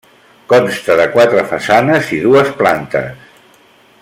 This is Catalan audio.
Consta de quatre façanes i dues plantes.